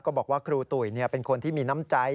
บอกว่าครูตุ๋ยเป็นคนที่มีน้ำใจ